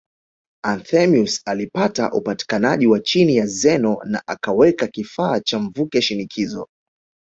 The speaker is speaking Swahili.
Anthemius alipata upatikanaji wa chini ya Zeno na akaweka kifaa cha mvuke shinikizo